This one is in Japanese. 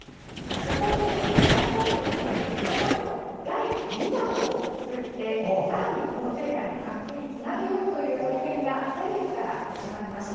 そこで大好評だったブロマイドの第２弾を作ってさらに、温泉街の活気につなげようという取り組みが先月から始まりました。